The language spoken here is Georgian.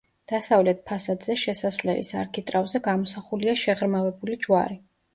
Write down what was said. დასავლეთ ფასადზე შესასვლელის არქიტრავზე გამოსახულია შეღრმავებული ჯვარი.